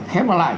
khép nó lại